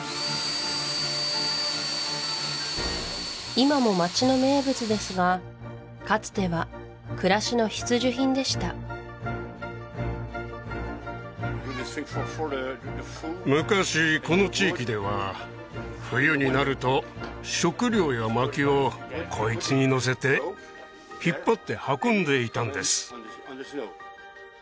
今も街の名物ですがかつては暮らしの必需品でした昔この地域では冬になると食料や薪をこいつに載せて引っ張って運んでいたんです